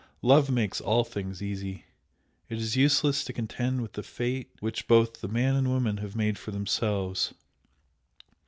Love makes all things easy! It is useless to contend with a fate which both the man and woman have made for themselves.